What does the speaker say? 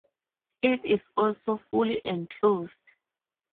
It is also fully enclosed.